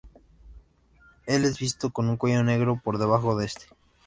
Él es visto con un cuello negro por debajo de este.